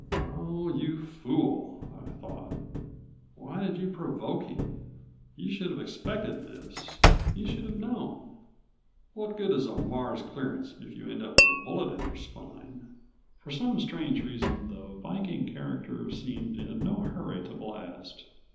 Oh, you fool! I thought. _Why did you provoke him? You should have expected this, you should have known. What good is a Mars clearance if you end up with a bullet in your spine?_ For some strange reason the Viking character seemed in no hurry to blast.